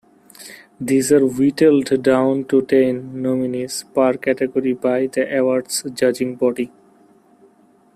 These are whittled down to ten nominees per category by the award's judging body.